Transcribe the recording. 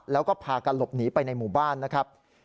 แล้วก็พากันหลบหนีไปในหมู่บ้านนะครับ